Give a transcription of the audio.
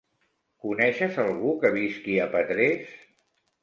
Coneixes algú que visqui a Petrés?